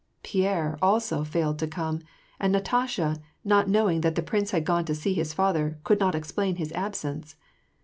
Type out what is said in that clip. Pierre, also, failed to come ; ^nd Natasha, not knowing that the prince had gone to see his father, could not explain his absence.